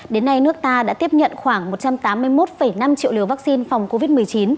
đến nay nước ta đã tiếp nhận khoảng một trăm tám mươi một năm triệu liều vaccine phòng covid một mươi chín